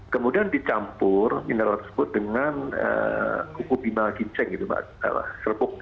kemudian dicampur mineral tersebut dengan kuku bimbal ginceng gitu pak agung